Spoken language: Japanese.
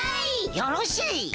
よろしい！